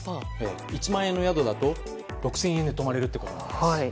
１万円の宿だと６０００円で泊まれるということです。